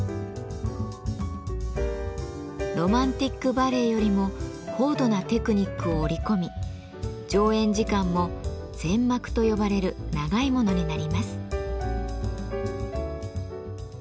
ロマンティック・バレエよりも高度なテクニックを織り込み上演時間も全幕と呼ばれる長いものになります。